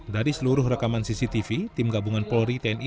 dari seluruh rekaman cctv tim gabungan polri tni